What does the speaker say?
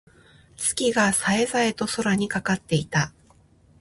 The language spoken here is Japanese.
月が冴え冴えと空にかかっていた。